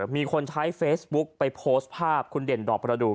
มีคนใช้เฟซบุ๊กไปโพสต์ภาพคุณเด่นดอกประดูก